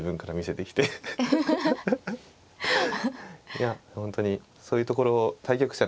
いや本当にそういうところ対局者